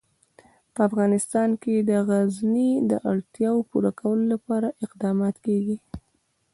په افغانستان کې د غزني د اړتیاوو پوره کولو لپاره اقدامات کېږي.